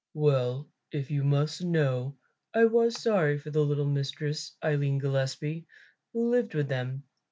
"Well, if you must know I was sorry for the little mistress, Aline Gillespie, who lived with them.